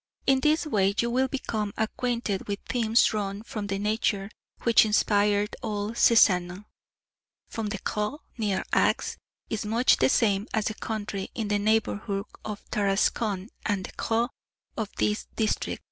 In this way you will become acquainted with themes drawn from the nature which inspired old Cézanne. For the Crau near Aix is much the same as the country in the neighbourhood of Tarascon and the Crau of this district.